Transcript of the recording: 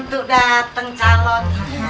tuk dateng calon